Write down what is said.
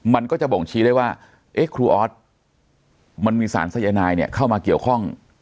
มันก็จะบ่งชี้ได้ว่าเอ๊ะครูออสมันมีสารสายนายเนี่ยเข้ามาเกี่ยวข้อง